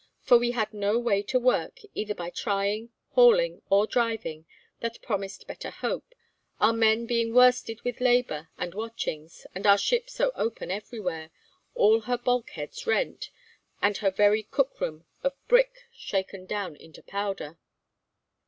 For we had no way to work, either by trying, hauling, or driving, that promised better hope, our men being worsted with labour and watchings, and our ship so open everywhere, all her bulkheads rent, and her very cook room of brick shaken down into powder.